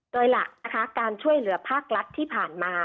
โดยหลักนะคะการช่วยเหลือภาครัฐที่ผ่านมา